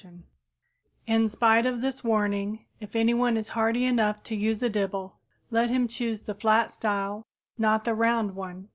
[Illustration: Wooden Dibbles] In spite of this warning, if anyone is hardy enough to use a dibble, let him choose the flat style, not the round one.